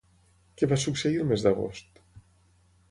Què va succeir el mes d'agost?